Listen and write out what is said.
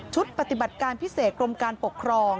ปฏิบัติการพิเศษกรมการปกครอง